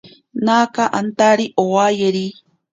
Naaka antari owayeri.